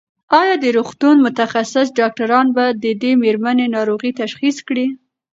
ایا د روغتون متخصص ډاکټران به د دې مېرمنې ناروغي تشخیص کړي؟